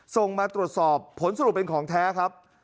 ส่งมาตรวจสอบผลสรุปเป็นของแท้ครับ